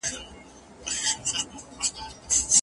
غاښ چي رنځور سي، نو د انبور سي.